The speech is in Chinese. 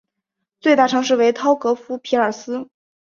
最大城市为陶格夫匹尔斯。